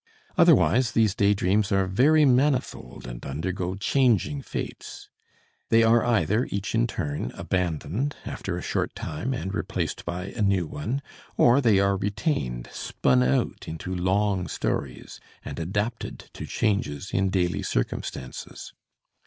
Otherwise these day dreams are very manifold and undergo changing fates. They are either, each in turn, abandoned after a short time and replaced by a new one, or they are retained, spun out into long stories, and adapted to changes in daily circumstances.